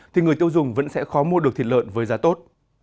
thì người tiêu dùng vẫn sẽ khó mua được thịt lợn với giá tốt